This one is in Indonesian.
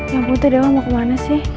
ya ampun tuh dia mau kemana sih